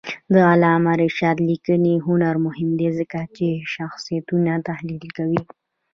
د علامه رشاد لیکنی هنر مهم دی ځکه چې شخصیتونه تحلیل کوي.